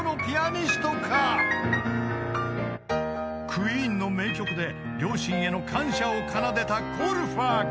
［ＱＵＥＥＮの名曲で両親への感謝を奏でたコルファーか？］